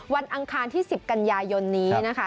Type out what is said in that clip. อังคารที่๑๐กันยายนนี้นะคะ